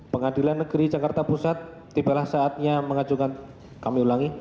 pengadilan negeri jakarta pusat tibalah saatnya mengajukan kami ulangi